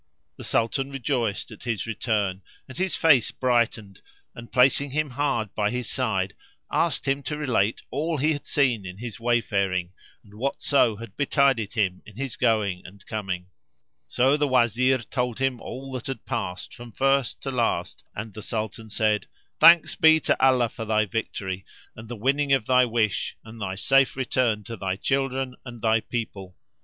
The Sultan rejoiced at his return and his face brightened and, placing him hard by his side, [FN#483] asked him to relate all he had seen in his wayfaring and whatso had betided him in his going and coming. So the Wazir told him all that had passed from first to last and the Sultan said, "Thanks be to Allah for thy victory [FN#484] and the winning of thy wish and thy safe return to thy children and thy people!